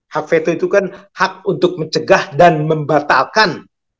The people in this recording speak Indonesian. hak veto itu kan hak untuk mencegah dan membatalkan